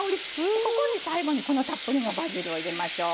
ここに最後にこのたっぷりのバジルを入れましょう。